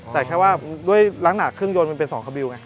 แต่แค่ว่าด้วยลักหน่าเครื่องยนต์เป็น๒คบิวไง